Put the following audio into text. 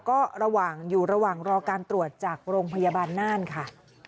ก็ระหว่างอยู่ระหว่างรอการตรวจจากโรงพยาบาลน่านค่ะ